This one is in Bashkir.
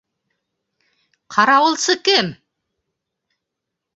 Ҡарауылсы кем?